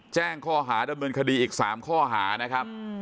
แจ้งข้อหาดำเนินคดีอีก๓ข้อหานะครับ